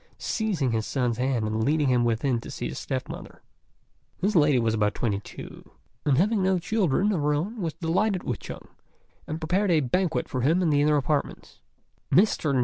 seizing his son's hand and leading him within to see his step mother. This lady was about twenty two, and, having no children of her own, was delighted with Chung, and prepared a banquet for him in the inner apartments. Mr.